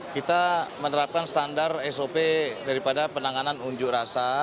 kita menerapkan standar sop daripada penanganan unjuk rasa